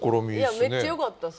いやめっちゃよかったっすね。